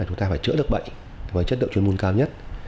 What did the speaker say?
chữa được bệnh với chất lượng chuyên môn cao nhất